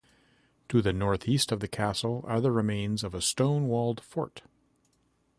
To the north-east of the castle are the remains of a stone-walled fort.